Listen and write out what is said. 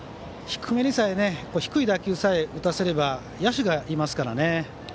低い打球さえ打たせれば野手がいますからね。